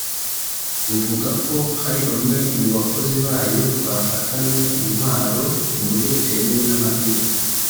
buvuga ko hari bamwe mu bakozi bayo bafatanwe intwaro mu buryo butemewe n’amategeko